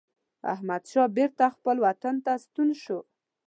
احمدشاه بیرته خپل وطن ته ستون شو.